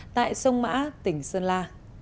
tại sông mã tỉnh sơn la